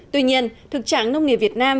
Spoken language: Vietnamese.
tuy nhiên thực trạng nông nghiệp việt nam